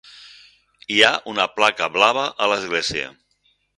Hi ha una Placa Blava a l'església.